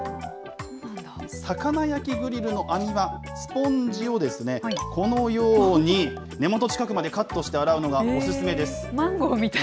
魚焼きグリルの網は、スポンジをこのように、根元近くまでカットしておすすめです。